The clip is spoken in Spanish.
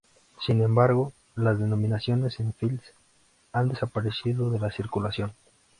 Sin embargo, las denominaciones en fils han desaparecido de la circulación.